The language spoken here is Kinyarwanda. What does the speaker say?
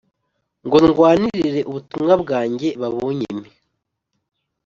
ngo ndwanirire ubutumwa bwanjye babunyime